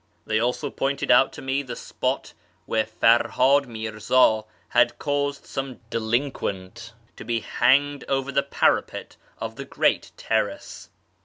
They also pointed out to me the spot w^here Ferhad Mirza had caused some delinquent to be hanged over the parapet of the great terrace.